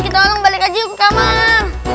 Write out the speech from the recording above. kita ulang balik aja yuk ke kamar